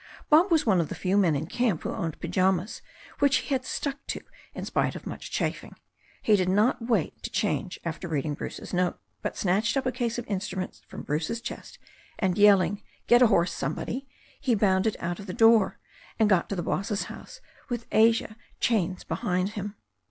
Bob was one of the few men in camp who owned pyjamas, which he stuck to in spite of much chafiing. He did not wait to change after reading Bruce's note, but snatched up a case of instruments from ■ Bruce's chest, and yelling "Get a horse, somebody," he bounded out of the door, and got to the boss's house with Asia chains behind him.